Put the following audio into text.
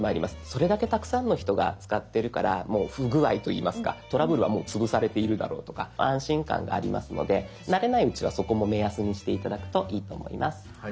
それだけたくさんの人が使ってるからもう不具合といいますかトラブルはもう潰されているだろうとか安心感がありますので慣れないうちはそこも目安にして頂くといいと思います。